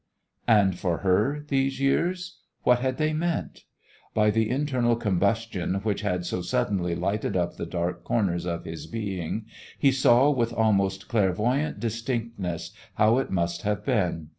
And for her, these years? What had they meant? By the internal combustion which had so suddenly lighted up the dark corners of his being, he saw with almost clairvoyant distinctness how it must have been.